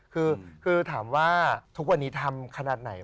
คือถามว่าทุกวันนี้ทำขนาดไหน